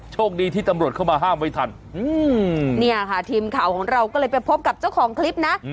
โชคดีที่ตำรวจเข้ามาห้ามไว้ทันเนี่ยค่ะทีมข่าวของเราก็เลยไปพบกับเจ้าของคลิปนะ